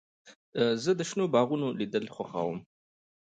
زه د شنو باغونو لیدل خوښوم.